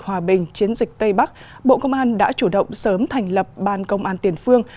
hòa bình chiến dịch tây bắc bộ công an đã chủ động sớm thành lập ban công an tiền phương